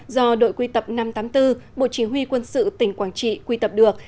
do đội quy tập năm trăm tám mươi bốn bộ chỉ huy quân sự tỉnh quảng trị quy tập được